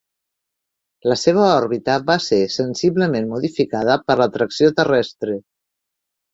La seva òrbita va ser sensiblement modificada per l'atracció terrestre.